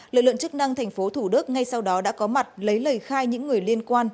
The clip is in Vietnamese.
lợi lượng chức năng tp hcm ngay sau đó đã có mặt lấy lời khai những người liên quan